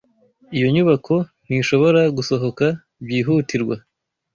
Iyo nyubako ntishobora gusohoka byihutirwa.